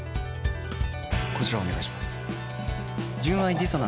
こちらをお願いします。